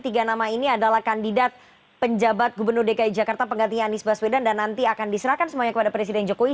tiga nama ini adalah kandidat penjabat gubernur dki jakarta penggantinya anies baswedan dan nanti akan diserahkan semuanya kepada presiden jokowi